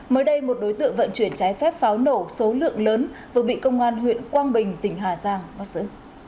mới đây một đối tượng vận chuyển trái phép pháo nổ số lượng lớn vừa bị công an huyện quang bình tỉnh hà giang bắt giữ